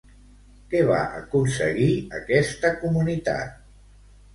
Què va aconseguir aquesta comunitat?